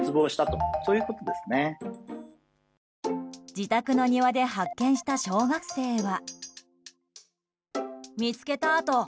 自宅の庭で発見した小学生は。